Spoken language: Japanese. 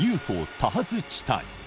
多発地帯